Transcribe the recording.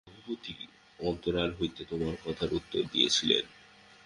রঘুপতিই অন্তরাল হইতে তোমার কথার উত্তর দিয়াছিলেন।